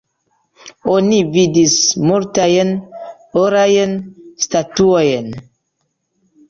Oni vidis multajn orajn statuojn.